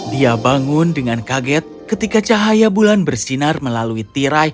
dia bangun dengan kaget ketika cahaya bulan bersinar melalui tirai